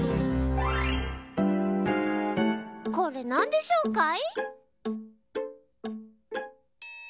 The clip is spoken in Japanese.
これなんでしょうかい？